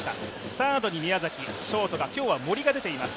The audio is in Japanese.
サードに宮崎、ショートに今日は森が出ています。